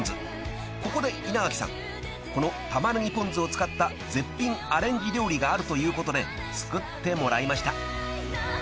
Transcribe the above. ［ここで稲垣さんこのたまねぎぽん酢を使った絶品アレンジ料理があるということで作ってもらいました］